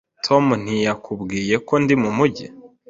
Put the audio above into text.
Tom ntiyakubwiye ko ndi mumujyi?